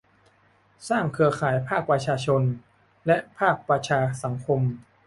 สร้างเครือข่ายภาคประชาชนและภาคประชาสังคม